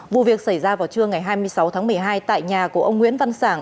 vụ việc xảy ra vào trưa ngày hai mươi sáu tháng một mươi hai tại nhà của ông nguyễn văn sản